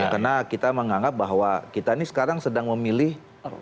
karena kita menganggap bahwa kita ini sekarang sedang memilih